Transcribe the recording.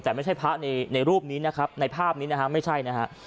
แต่ไม่ใช่พระในรูปนี้นะครับในภาพนี้นะฮะไม่ใช่นะฮะ